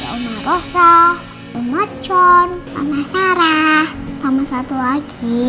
ya om rosa om macon om sarah sama satu lagi